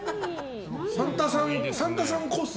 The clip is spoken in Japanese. サンタさんコス？